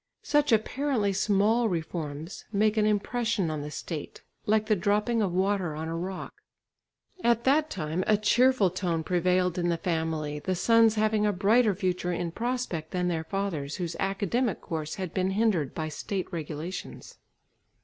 Such apparently small reforms make an impression on the state, like the dropping of water on a rock. At that time a cheerful tone prevailed in the family, the sons having a brighter future in prospect than their fathers, whose academic course had been hindered by State regulations.